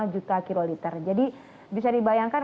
lima juta kiloliter jadi bisa dibayangkan